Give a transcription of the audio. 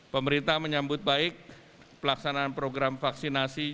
pemerintah menyambut baik pelaksanaan program vaksinasi